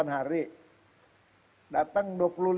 jadi datang dua puluh lima dua puluh enam